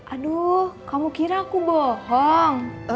aduh kamu kira aku bohong